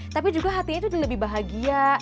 tapi juga hatinya itu lebih bahagia